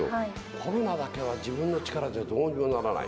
コロナだけは自分の力じゃどうにもならない。